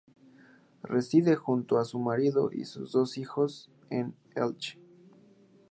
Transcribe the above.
Reside junto a su marido y sus dos hijos en Elche.